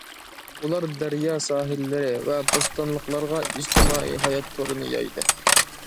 ئۇلار دەريا ساھىللىرى ۋە بوستانلىقلارغا ئىجتىمائىي ھايات تورىنى يايدى.